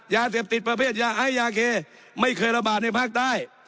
ยาเสพติดประเภทยาไอยาเคไม่เคยระบาดในภาคใต้